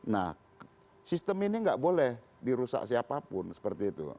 nah sistem ini nggak boleh dirusak siapapun seperti itu